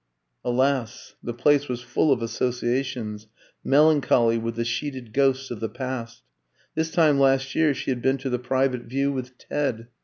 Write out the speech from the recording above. Alas! the place was full of associations, melancholy with the sheeted ghosts of the past. This time last year she had been to the private view with Ted.